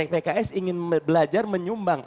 pks ingin belajar menyumbang